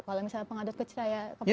kalau misalnya pengadat kecil ya komputer saya